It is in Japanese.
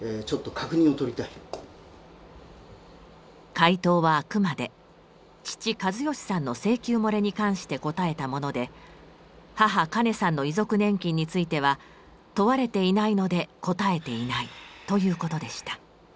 回答はあくまで父・計義さんの請求もれに関して答えたもので母・カネさんの遺族年金については問われていないので答えていないということでした。